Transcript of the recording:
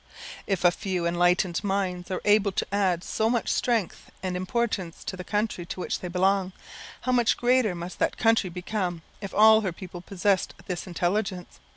If a few enlightened minds are able to add so much strength and importance to the country to which they belong, how much greater must that country become if all her people possessed this intelligence!